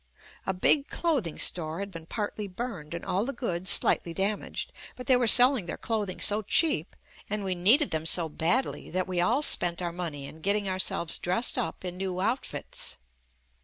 A big clothing store had been partly burned and all the goods slightly damaged, but they were selling their clothing so cheap and we needed them so badly that we all spent our money in getting ourselves dressed up in new outfits.